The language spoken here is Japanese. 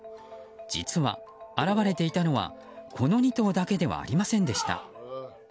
実は、現れていたのはこの２頭だけではありませんでした。